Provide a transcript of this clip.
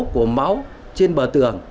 của máu trên bờ tường